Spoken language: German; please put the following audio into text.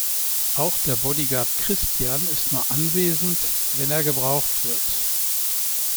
Auch der Bodyguard, Christian, ist nur anwesend, wenn er gebraucht wird.